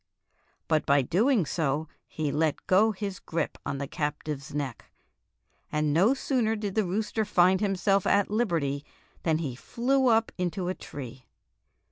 But by so doing he let go his grip on the captive's neck, and no sooner did the rooster find himself at liberty than he flew up into a tree.